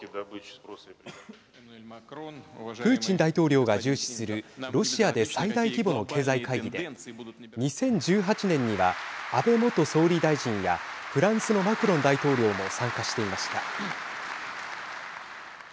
プーチン大統領が重視するロシアで最大規模の経済会議で２０１８年には安倍元総理大臣やフランスのマクロン大統領も参加していました。